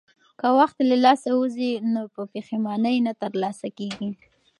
که وخت له لاسه ووځي نو په پښېمانۍ نه ترلاسه کېږي.